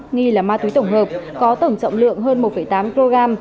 nghi là ma túy tổng hợp có tổng trọng lượng hơn một tám kg